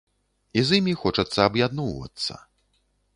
І з імі хочацца аб'ядноўвацца.